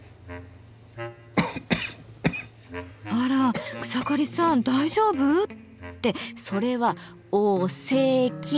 あら草刈さん大丈夫？ってそれはお・せ・き。